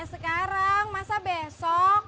ya sekarang masa besok maaf atuh kalau saya udah nanya